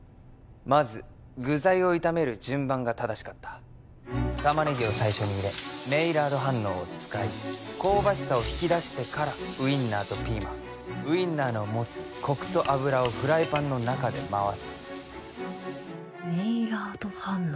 まず具材を炒める順番が正しかったタマネギを最初に入れメイラード反応を使い香ばしさを引き出してからウインナーとピーマンウインナーの持つコクと脂をフライパンの中で回すメイラード反応？